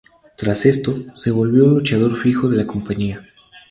Tras esto, se volvió un luchador fijo de la compañía.